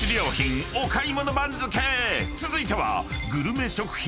［続いては］